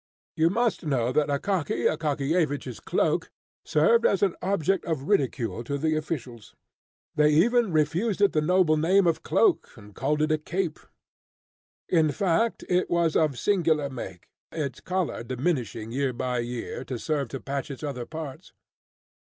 You must know that Akaky Akakiyevich's cloak served as an object of ridicule to the officials. They even refused it the noble name of cloak, and called it a cape. In fact, it was of singular make, its collar diminishing year by year to serve to patch its other parts.